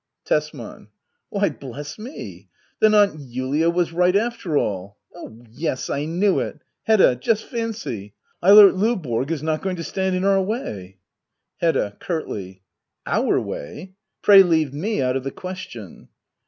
Tesman. Why, bless me — ^then Aunt Julia was right after all ! Oh yes — I knew it I Hedda ! Just fancy — Eilert Ldvborg is not going to stand in our way! Hedda. [Curtfy.] Our way? Pray leave me out of the question.